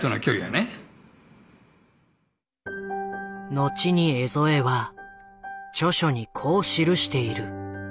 のちに江副は著書にこう記している。